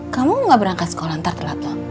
kamu nggak berangkat sekolah ntar telat loh